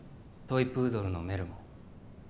トイプードルのメルモ